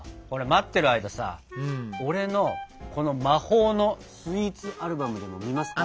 待ってる間さ俺のこの魔法のスイーツアルバムでも見ますか？